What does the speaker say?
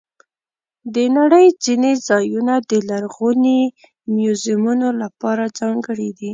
د نړۍ ځینې ځایونه د لرغوني میوزیمونو لپاره ځانګړي دي.